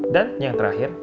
dan yang terakhir